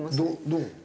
どう？